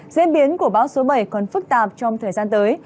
diễn biến của bão số bảy còn phức tạp trong thời gian tới